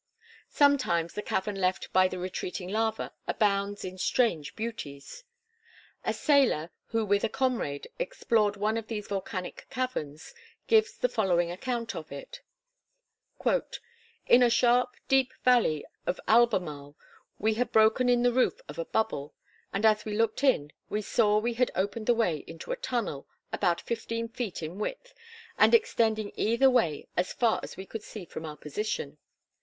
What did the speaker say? Sometimes the cavern left by the retreating lava abounds in strange beauties. A sailor, who with a comrade, explored one of these volcanic caverns, gives the following account of it: "In a sharp, deep valley of Albemarle we had broken in the roof of a bubble; and as we looked in we saw we had opened the way into a tunnel about fifteen feet in width, and extending either way as far as we could see from our position.